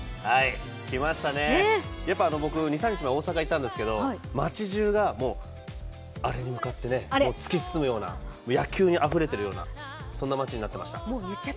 きましたね、僕、２３日前に大阪にいたんですけど、街じゅうがアレに向かって突き進むような野球にあふれてるような街になってました。